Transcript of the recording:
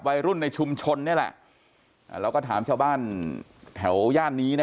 วัยรุ่นในชุมชนนี่แหละเราก็ถามชาวบ้านแถวย่านนี้นะ